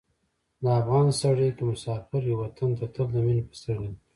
د افغان سړی که مسافر وي، وطن ته تل د مینې په سترګه ګوري.